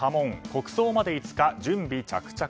国葬まで５日、準備着々。